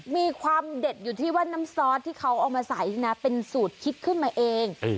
มีความเด็ดอยู่ที่ว่าน้ำซอสที่เขาเอามาใส่นะเป็นสูตรคิดขึ้นมาเอง